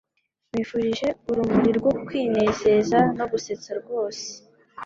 Nkwifurije urumuri rwo kwinezeza no gusetsa rwose